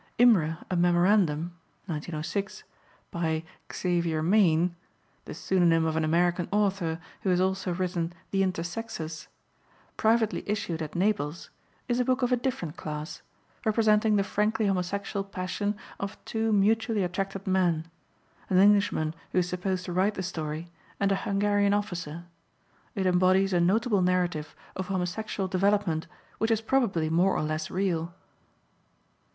Imre: A Memorandum, (1906), by "Xavier Mayne" (the pseudonym of an American author, who has also written The Intersexes), privately issued at Naples, is a book of a different class; representing the frankly homosexual passion of two mutually attracted men, an Englishman who is supposed to write the story and a Hungarian officer; it embodies a notable narrative of homosexual development which is probably more or less real.